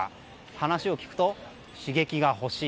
話を聞くと、刺激が欲しい